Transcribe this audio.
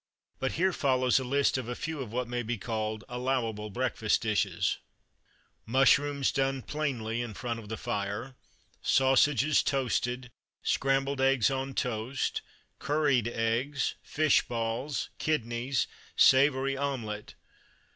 But here follows a list of a few of what may be called Allowable Breakfast Dishes Mushrooms (done plainly in front of the fire), sausages (toasted), scrambled eggs on toast, curried eggs, fish balls, kidneys, savoury omelette.